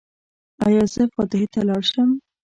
ایا زه فاتحې ته لاړ شم؟